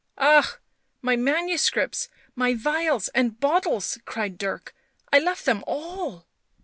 " Ah, my manuscripts, my phials, and bottles !" cried Dirk. " I left them all